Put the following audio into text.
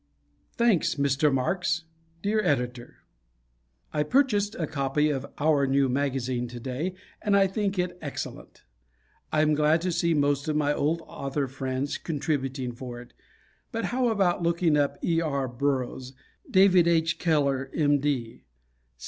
Thanks, Mr. Marks! Dear Editor: I purchased a copy of "our" new magazine to day and I think it excellent. I am glad to see most of my old author friends contributing for it, but how about looking up E. R. Burroughs, David H. Keller, M.